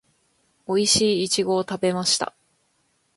おいしいイチゴを食べました